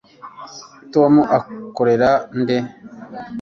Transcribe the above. tom akorera nde